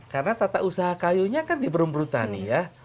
karena tata usaha kayunya kan di perum perutani